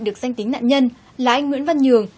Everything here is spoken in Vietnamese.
được danh tính nạn nhân là anh nguyễn văn nhường